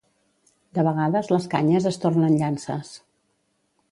De vegades les canyes es tornen llances.